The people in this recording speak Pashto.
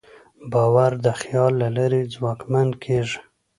باور د خیال له لارې ځواکمن کېږي.